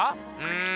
うん。